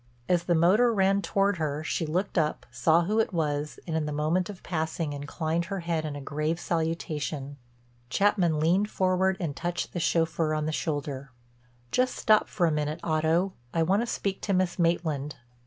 As the motor ran toward her, she looked up, saw who it was, and in the moment of passing, inclined her head in a grave salutation. Chapman leaned forward and touched the chauffeur on the shoulder. "Just stop for a minute, Otto, I want to speak to Miss Maitland."